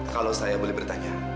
kalau saya boleh bertanya